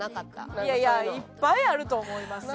いやいやいっぱいあると思いますよ。